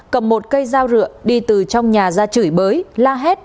cầm một cây dao rượu đi từ trong nhà ra chửi bới la hét